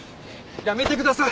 やめてください。